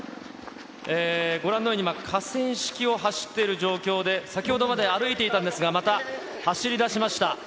ご覧のように今、河川敷を走っている状況で、先ほどまで歩いていたんですが、また走りだしました。